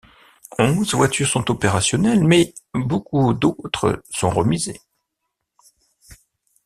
Onze voitures sont opérationnelles, mais beaucoup d'autres sont remisées.